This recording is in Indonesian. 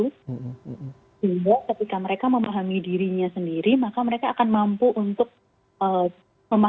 sehingga ketika mereka memahami dirinya sendiri maka mereka akan mampu untuk memahami